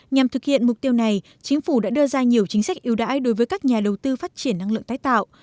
nhằm thực hiện mục tiêu này chính phủ đã đưa ra nhiều chính sách ưu đãi đối với các nhà đầu tư phát triển năng lượng tái tạo